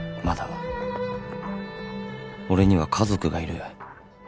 俺には家族がいる。